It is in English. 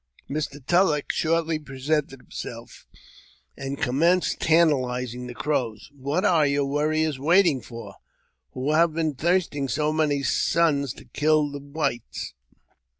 Mrs. Tulleck shortly presented herself, and commenced tantahzing the Crows. * What are your warriors waiting for, who have been thirst g so many suns to kill the whites?